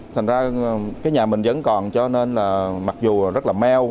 thành ra cái nhà mình vẫn còn cho nên là mặc dù rất là meo